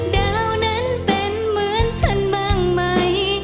ดาวนั้นเป็นเหมือนฉันบ้างไหม